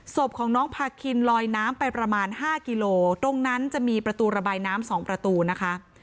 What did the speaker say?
ศพของน้องพาคินลอยน้ำไปประมาณ๕กิโลตรงนั้นจะมีประตูระบายน้ำ๒ประตูนะคะ